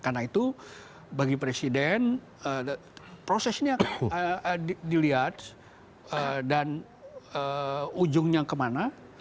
karena itu bagi presiden proses ini akan dilihat dan ujungnya kemana